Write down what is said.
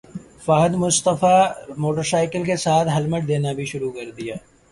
Fahad Mustafa motor سائیکلوں کے ساتھ ہیلمٹ دینا بھی شروع کردیں